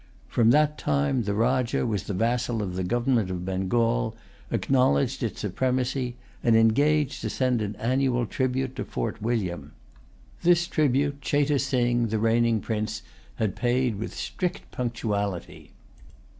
From that time the Rajah was the vassal of the government of Bengal, acknowledged its supremacy, and engaged to send an annual tribute to Fort William. This tribute Cheyte Sing, the reigning prince, had paid with strict punctuality.